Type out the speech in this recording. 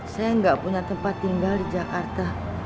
saya nggak punya tempat tinggal di jakarta